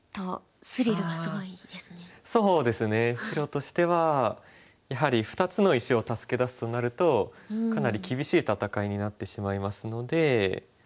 白としてはやはり２つの石を助け出すとなるとかなり厳しい戦いになってしまいますので。